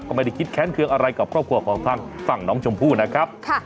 ก็ไม่ได้คิดแค้นเครื่องอะไรกับครอบครัวของทางฝั่งน้องชมพู่นะครับ